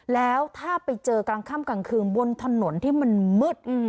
แล้วถ้าไปเจอกลางค่ำกลางคืนบนถนนที่มันมืด